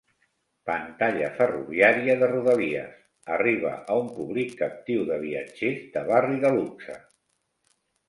Pantalla ferroviària de rodalies: arriba a un públic captiu de viatgers de barri de luxe.